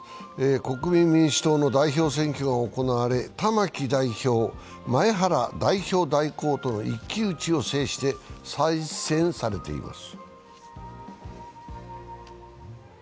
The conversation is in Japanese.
国民民主党の代表選挙が行われ、玉木代表、前原代表代行との一騎打ちを制して再選されています。